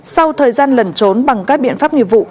sau thời gian lẩn trốn bằng các biện pháp nghiệp vụ